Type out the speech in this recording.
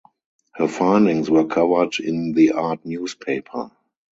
Her findings were covered in The Art Newspaper.